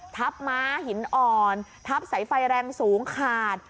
ทับม้าหินอ่อนทับสายไฟแรงสูงขาด